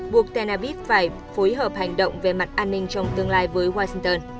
buộc tenabit phải phối hợp hành động về mặt an ninh trong tương lai với washington